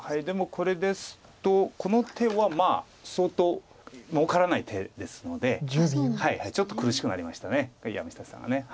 でもこれですとこの手はまあ相当もうからない手ですのでちょっと苦しくなりました山下さんは。